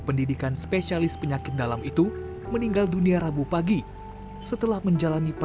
berangkat menuju kampung halaman san dokter di magetan jawa timur